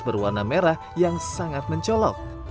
berwarna merah yang sangat mencolok